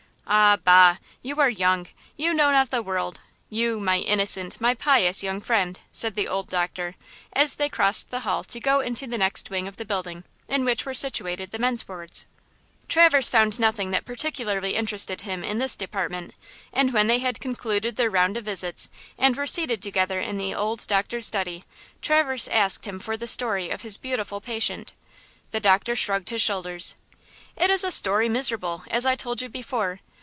"Ah, bah! you are young! you know not the world! you, my innocent, my pious young friend!" said the old doctor, as they crossed the hall to go into the next wing of the building, in which were situated the men's wards. Traverse found nothing that particularly interested him in this department, and when they had concluded their round of visits and were seated together in the old doctor's study, Traverse asked him for the story of his beautiful patient. The doctor shrugged his shoulders. "It is a story miserable, as I told you before.